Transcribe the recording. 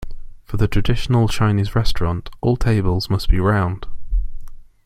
For the traditional Chinese Restaurant, all tables must be round.